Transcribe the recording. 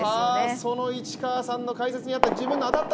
その市川さんの解説にあった、地面に当たった